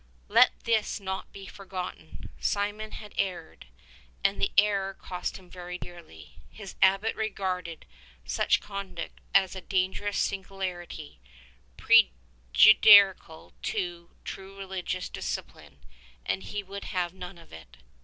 Let this not be forgotten. Simeon had erred, and the error cost him very dearly. His Abbot regarded such con duct as a dangerous singularity, prejudicial to true religious discipline, and he would have none of it.